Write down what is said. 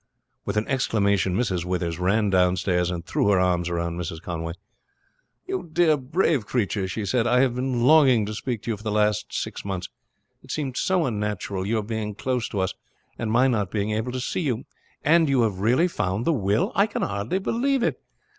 With an exclamation Mrs. Withers ran downstairs and threw her arms round Mrs. Conway. "You dear brave creature," she said, "I have been longing to speak to you for the last six months. It seems so unnatural your being close to us, and my not being able to see you, And you have really found the will? I can hardly believe it.